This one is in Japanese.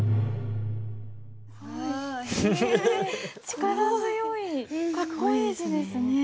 力強いかっこいい字ですね。